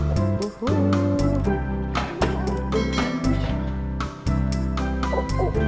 tidak tidak tidak